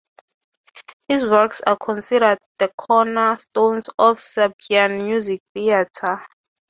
His works are considered the corner stones of Serbian music theatre.